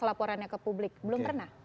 laporannya ke publik belum pernah